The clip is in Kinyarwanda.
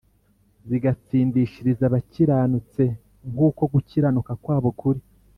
zigatsindishiriza abakiranutse nk’uko gukiranuka kwabo kuri